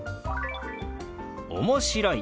「おもしろい」。